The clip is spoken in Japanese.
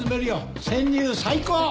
潜入最高！